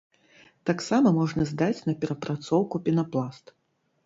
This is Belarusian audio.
Таксама можна здаць на перапрацоўку пенапласт.